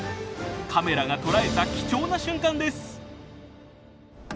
カメラが捉えた貴重な瞬間です。